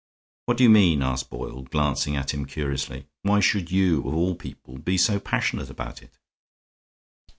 "What do you mean?" asked Boyle, glancing at him curiously. "Why should you, of all people, be so passionate about it?"